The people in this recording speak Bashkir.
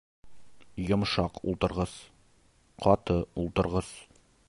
Йомшаҡ ултырғыс. Ҡаты ултырғыс